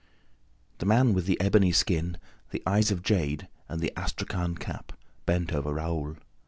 The man with the ebony skin, the eyes of jade and the astrakhan cap bent over Raoul.